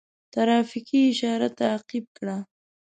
ترافیکي اشاره تعقیب کړه.